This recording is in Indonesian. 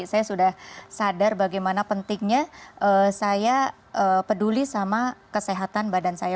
saya sudah sadar bagaimana pentingnya saya peduli sama kesehatan badan saya